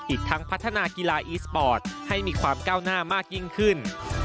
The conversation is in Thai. อีกทั้งพัฒนากีฬาอีสปอร์ตให้มีความก้าวหน้ามากยิ่งขึ้น